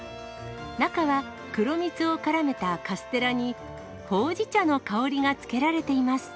中は黒蜜をからめたカステラに、ほうじ茶の香りがつけられています。